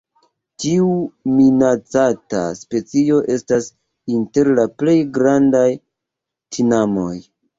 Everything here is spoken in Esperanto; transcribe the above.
Tiu minacata specio estas inter la plej grandaj tinamoj.